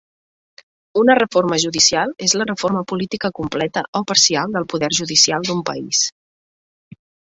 Una reforma judicial és la reforma política completa o parcial del poder judicial d'un país.